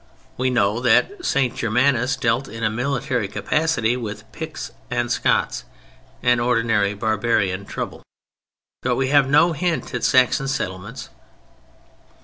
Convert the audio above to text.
We know that St. Germanus dealt in a military capacity with "Picts and Scots"—an ordinary barbarian trouble—but we have no hint at Saxon settlements.